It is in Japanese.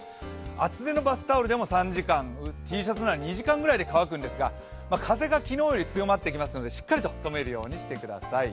厚手のバスタオルでも３時間、Ｔシャツなら２時間ぐらいで乾くんですが、風が強まってくるのでしっかりととめるようにしてください。